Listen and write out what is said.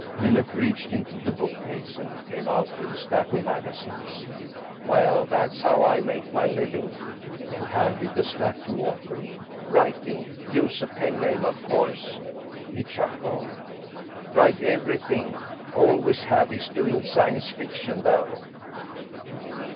Millet reached into the bookcase and came out with a stack of magazines. "Well, that's how I make my living." He handed the stack to Walker. "Writing. Use a pen name of course." He chuckled. "Write everything—always happiest doing science fiction, though."